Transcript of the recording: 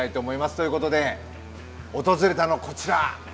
ということで訪れたのはこちら。